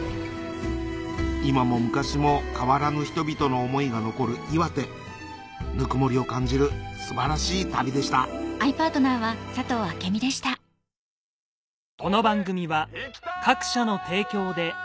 今も昔も変わらぬ人々の思いが残る岩手ぬくもりを感じる素晴らしい旅でした大豆麺ん？